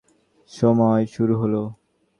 সময় শুরু হলো!